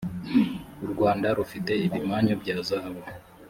u rwanda rufite ibimanyu bya zahabu